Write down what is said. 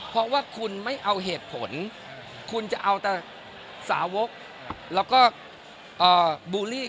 เพราะว่าคุณไม่เอาเหตุผลคุณจะเอาแต่สาวกแล้วก็บูลลี่